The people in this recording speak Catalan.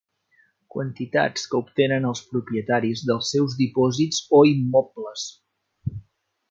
Quantitats que obtenen els propietaris dels seus dipòsits o immobles.